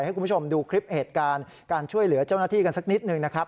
ให้คุณผู้ชมดูคลิปเหตุการณ์การช่วยเหลือเจ้าหน้าที่กันสักนิดหนึ่งนะครับ